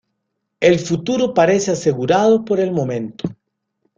El futuro parece asegurado por el momento.